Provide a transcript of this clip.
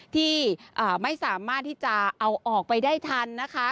ที่ไม่สามารถที่จะเอาออกไปได้ทันนะคะ